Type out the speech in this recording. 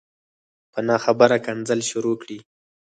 په نه خبره کنځل شروع کړي